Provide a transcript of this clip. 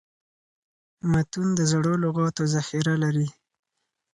متون د زړو لغاتو ذخیره لري.